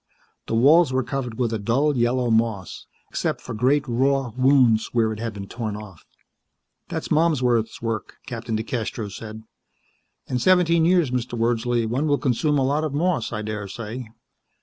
The walls were covered with a dull yellow moss, except for great, raw wounds where it had been torn off. "That's Malmsworth's work," Captain DeCastros said. "In seventeen years, Mr. Wordsley, one will consume a lot of moss, I daresay.